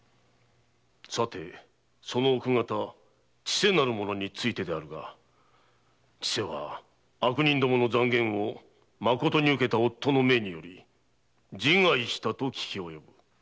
さてその奥方・千世なる者についてだが千世は悪人どもの讒言を真に受けた夫の命により自害したと聞き及ぶ。